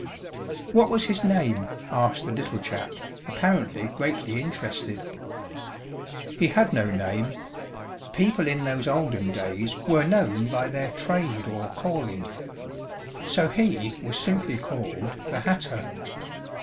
"What was his name?" asked the Little Chap, apparently greatly interested. "He had no name. People in those olden days were known by their trade or calling. So he was simply called 'the hatter'."